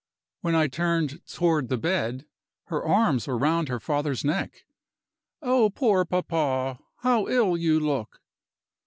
When I turned toward the bed, her arms were round her father's neck. "Oh, poor papa, how ill you look!"